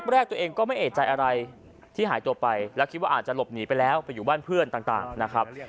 แรกตัวเองก็ไม่เอกใจอะไรที่หายตัวไปแล้วคิดว่าอาจจะหลบหนีไปแล้วไปอยู่บ้านเพื่อนต่างนะครับ